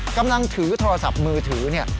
กำลังถือโทรศัพท์มือถือเนี่ย